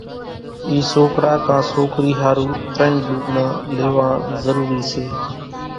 اِي سوڪرا ڪان سوڪري ۿارُو ترڃ لوڳڙان ليوان ضروري سي۔